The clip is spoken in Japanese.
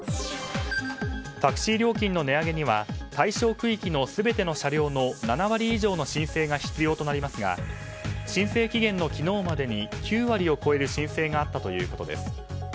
タクシー料金の値上げには対象区域の全ての車両の７割以上の申請が必要となりますが申請期限の昨日までに９割を超える申請があったということです。